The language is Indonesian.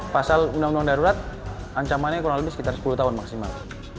pasal undang undang darurat ancamannya kurang lebih sekitar sepuluh tahun maksimal